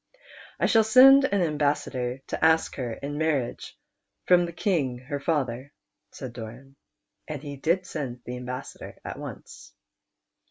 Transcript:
" I shall send an ambassador to ask her in mar riage from the King her father," said Doran. And he did send the ambassador at once.